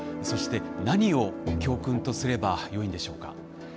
そして何を教訓とすればよいんでしょうか？